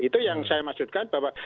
itu yang saya maksudkan bahwa